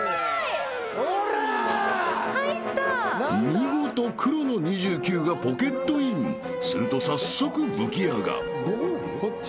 ［見事黒の２９がポケットインすると早速武器屋が］こっち？